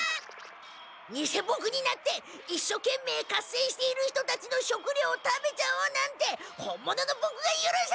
偽ボクになって一所懸命合戦している人たちの食料を食べちゃおうなんて本物のボクがゆるさない！